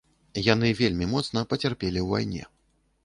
Яны вельмі моцна пацярпелі ў вайне.